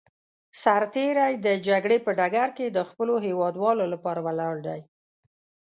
سرتېری د جګړې په ډګر کې د خپلو هېوادوالو لپاره ولاړ دی.